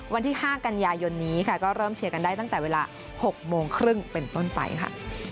วันที่๕กันยายนนี้ค่ะก็เริ่มเชียร์กันได้ตั้งแต่เวลา๖โมงครึ่งเป็นต้นไปค่ะ